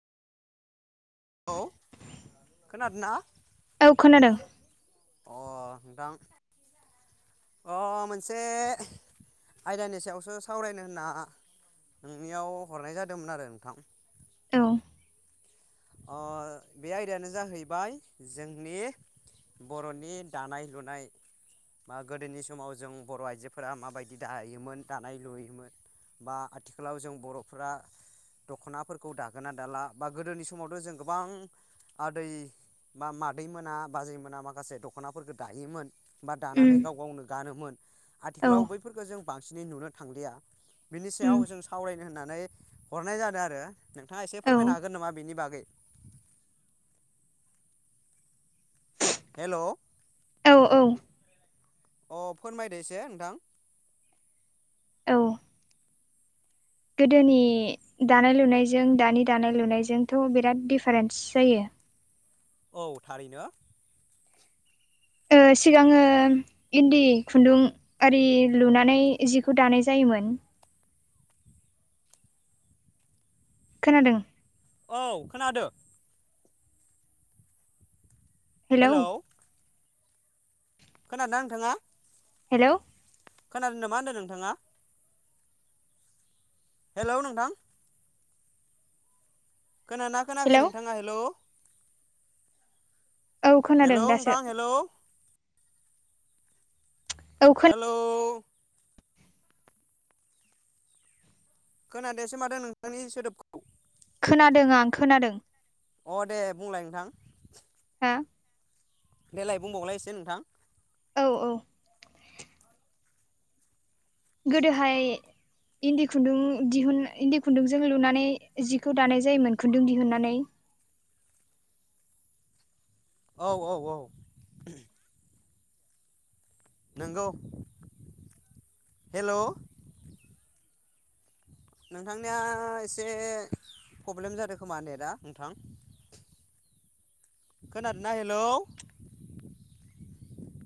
औ खोनादोंना? औ खोनादों। अ नोंथां अ मोनसे आयदानि सायावसो सावरायनो होनना नोंनियाव हरनाय जादोंमोन आरो नोंथां। औ अ बे आयदायानो जाहैबाय जोंनि बर'नि दानाय लुनाय। मा गोदोनि समाव जों बर' आइजोफोरा माबायदि दायोमोन दानाय लुयोमोन। बा आथिखालाव जों बर'फोरा दख'नाफोरखौ दागोना दाला बा गोदोनि समावथ जों गोबां। आदै बा मादै मोना बाजै मोना माखासे दखनाफोरखो दायोन बा दानानै उम गाव गावनो गानोमोन औ आथिखालाव उम बैफोरखो जों बांसिनै नुनो थांलिया। बिनि सायाव जों सावरायनो होननानै हरनाय जादों आरो नोंथांङा एसे औ फोरमायनो हागोन नामा बिनि बाग गै हेलौ। औ औ। अ फोरमायदो एसे नोंथां। औ। गोदोनि दानाय लुनायजों दानि दानाय लुनायजोंथ बिराद दिफारेन्स जायो। औ थारैनो। ओ सिगांङो इन्दि खुन्दुं आरि लुनानै जिखौ दानाय जायो मोन खोनादों। औ खोनादो। हेलौ। खोनादोंना ओनथांङा। हेलौ। खोनादोंना मा होनदों नोंथांङा? हेलौ नोंथां। खोनाना खोनायाखै हेलौ नोंथांङा हेलौ? औ खोनादों हेलौ दासो नोंथां हेलौ। औ हेलौ। खोनादियासै मादों नोंथांनि सोदोबखौ [unintelligible] खोनादों आं खोनादों। अ दे बुंलाय नोंथां। आ देलाय बुंबावलाय एसे नोंथां? औ औ। गोदोहाय। इन्दि खुन्दुं दिहुन इन्दि खुन्दुंजों लुनानै जिखौ दानाय जायोमोन खुन्दुं दिहुननानै। औ औ औ। नोंगौ हेलौ। नोंथांनिया एसे फब्लेम जादों खोमा नेटआ नोंथां? खोनादोंना हेलौ।